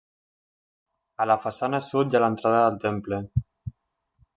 A la façana sud hi ha l'entrada al temple.